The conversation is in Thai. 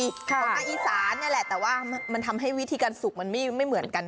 ของทางอีสานนี่แหละแต่ว่ามันทำให้วิธีการสุกมันไม่เหมือนกัน